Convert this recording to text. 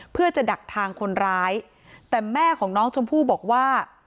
เพื่อจะดักทางคนร้ายแต่แม่ของน้องชมพู่บอกว่า